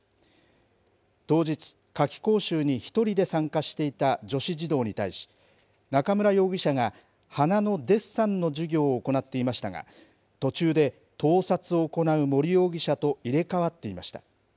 当日、夏期講習に１人で参加していた女子児童に対し、中村容疑者が花のデッサンの授業を行っていましたが、途中で盗撮を行う森容疑者と入れ代わっていました。